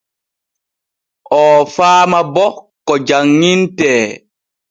Oo faama bo ko janŋintee.